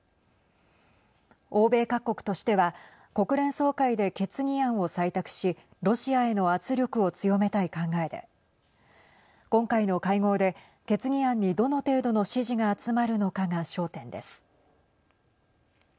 欧米各国としては国連総会で決議案を採択しロシアへの圧力を強めたい考えで今回の会合で、決議案にどの程度の支持が集まるのかが焦点です。